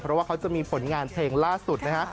เพราะว่าเขาจะมีผลงานเพลงล่าสุดนะฮะ